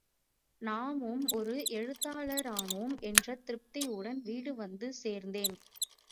நாமும் ஒரு எழுத்தாளரானோம் என்ற திருப்தியுடன் வீடு வந்து சேர்ந்தேன்.